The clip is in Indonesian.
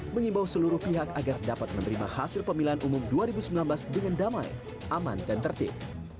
mengimbau seluruh pihak agar dapat menerima hasil pemilihan umum dua ribu sembilan belas dengan damai aman dan tertib